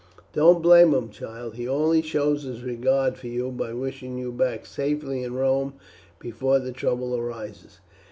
Don't blame him, child; he only shows his regard for you, by wishing you back safely in Rome before trouble arises."